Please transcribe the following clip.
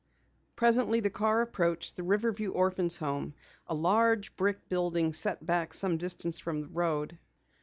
Presently the car approached the Riverview Orphans' Home, a large brick building set back some distance from the road.